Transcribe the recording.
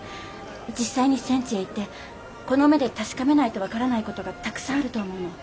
実際に戦地へ行ってこの目で確かめないと分からない事がたくさんあると思うの。